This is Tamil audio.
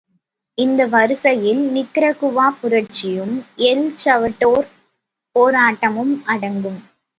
இந்த வரிசையில் நிக்கரகுவா புரட்சியும், எல் சவ்வடோர் போராட்டமும் அடங்கும்.